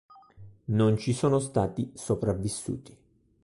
Non ci sono stati sopravvissuti.